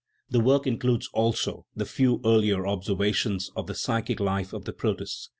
The work includes also the few earlier observations of the "psychic life of the protist."